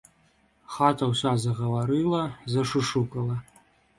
Хата ўся загаварыла, зашушукала.